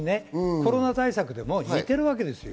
コロナ対策でも似てるわけですよ。